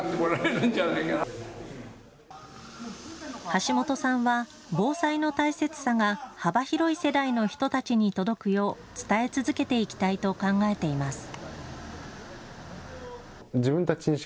橋本さんは防災の大切さが幅広い世代の人たちに届くよう伝え続けていきたいと考えています。